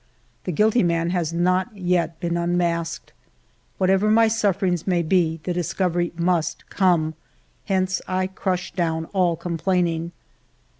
The guilty man has not yet been unmasked. Whatever my sufferings may be, the discovery must come, hence I crush down all complaining.